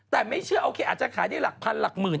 แต่ไม่เชื่อโอเคอาจจะขายได้หลักพันหลักหมื่น